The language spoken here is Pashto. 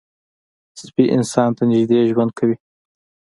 سپي انسان ته نږدې ژوند کوي.